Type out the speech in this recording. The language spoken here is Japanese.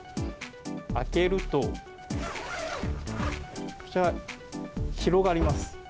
開けると、こちら広がります。